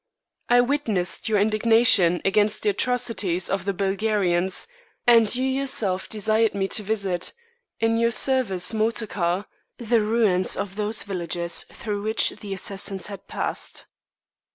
I witnessed your indignation against the atrocities of the Bulgarians, and you yourself desired me to visit, in your service motor car, the ruins of those villages through which the assassins had passed.